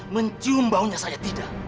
mencium baunya saya tidak